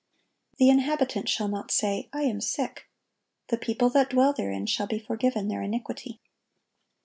(1184) "The inhabitant shall not say, I am sick: the people that dwell therein shall be forgiven their iniquity."